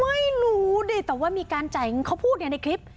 ไม่รู้ดิแต่ว่ามีการจ่ายเขาพูดอย่างในคลิป